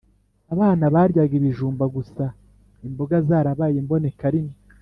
abana baryaga ibijumba gusa imboga zarabaye imboneka rimwe.